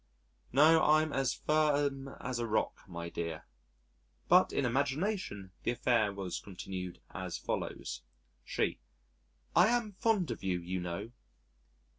...... No, I'm as firm as a rock, my dear. But in imagination the affair was continued as follows, She: "I am fond of you, you know."